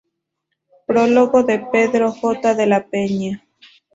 Prólogo de Pedro J. de la Peña.